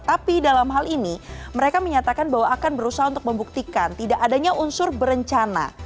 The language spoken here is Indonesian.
tapi dalam hal ini mereka menyatakan bahwa akan berusaha untuk membuktikan tidak adanya unsur berencana